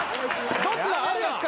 どっちだあるやつか？